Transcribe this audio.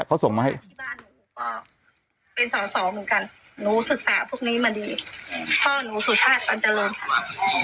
ฝ้านู้สุชาติตันเจริญ